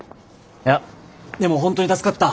でも本当に助かった。